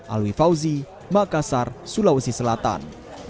alwi fauzi makassar sulawesi selatan